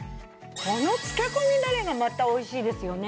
この漬け込みだれがまたおいしいですよね。